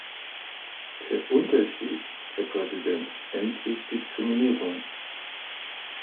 Der Unterschied, Herr Präsident, nennt sich Diskriminierung.